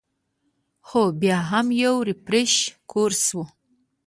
خو بيا هم يو ريفرېشر کورس وۀ -